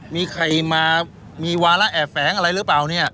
มีใครมามีวาระแอบแฝงอะไรหรือเปล่าเนี่ย